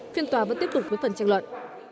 phiên tòa vẫn tiếp tục với phần trang luận